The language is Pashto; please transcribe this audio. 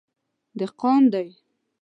_دهقان دی.